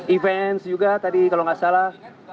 events juga tadi kalau nggak salah